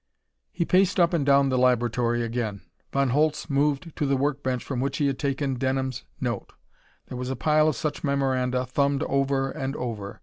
He paced up and down the laboratory again. Von Holtz moved to the work bench from which he had taken Denham's note. There was a pile of such memoranda, thumbed over and over.